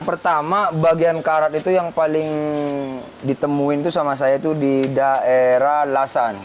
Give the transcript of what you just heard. pertama bagian karat itu yang paling ditemuin itu sama saya itu di daerah lasan